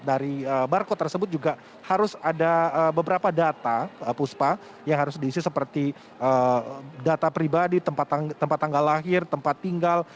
dari barcode tersebut juga harus ada beberapa data puspa yang harus diisi seperti data pribadi tempat tanggal lahir tempat tinggal